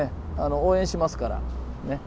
応援しますから。ね。